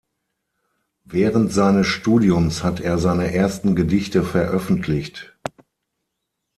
Während seines Studiums hat er seine ersten Gedichte veröffentlicht.